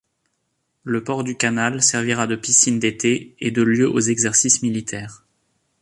Le port du canal servira de piscine d'été et de lieux aux exercices militaires.